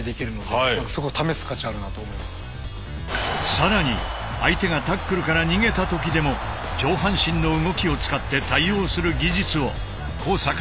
更に相手がタックルから逃げた時でも上半身の動きを使って対応する技術を阪が教えてくれた。